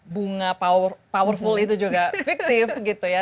bunga powerful itu juga fiktif gitu ya